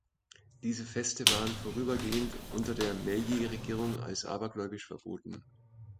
Diese Feste waren vorübergehend unter der Meiji-Regierung als abergläubisch verboten.